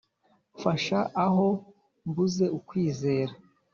Mfasha aho mbuze ukwizera